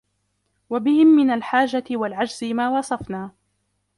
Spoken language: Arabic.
وَبِهِمْ مِنْ الْحَاجَةِ وَالْعَجْزِ مَا وَصَفْنَا